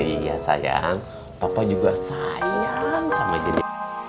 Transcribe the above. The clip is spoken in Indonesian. iya sayang papa juga sayang sama jadi